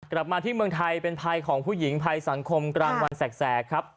กลับมาที่เมืองไทยเป็นภัยของผู้หญิงภัยสังคมกลางวันแสกครับ